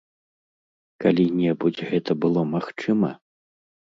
Калі-небудзь гэта было магчыма?